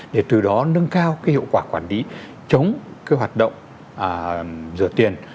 để từ đó nâng cao cái hiệu quả quản lý chống cái hoạt động rửa tiền